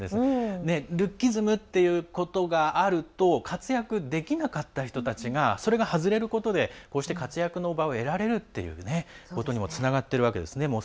ルッキズムっていうことがあると活躍できなかった人たちがそれが外れることでこうして活躍の場が得られるっていうことにもつながっているわけですね。